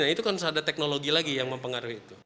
nah itu kan ada teknologi lagi yang mempengaruhi itu